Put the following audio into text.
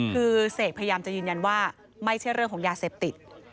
คือเสกพยายามจะยืนยันว่าไม่ใช่เรื่องของยาเสพติด